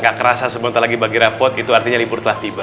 gak kerasa sebelum ntar lagi bagi rapot itu artinya libur telah tiba